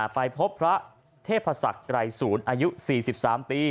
ไปพบพระเทพศักดิ์ไกรศูนย์อายุ๔๓ปี